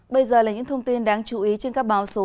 bây giờ là những thông tin đáng chú ý trên các báo số